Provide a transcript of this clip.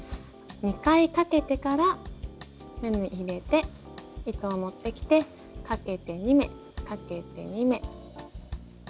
２回かけてから目に入れて糸を持ってきてかけて２目かけて２目。